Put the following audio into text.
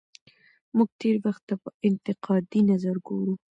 موږ تېر وخت ته په انتقادي نظر ګورو.